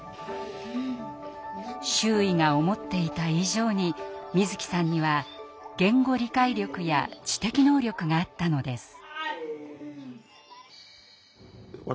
周囲が思っていた以上にみづきさんには言語理解力や知的能力があったのです。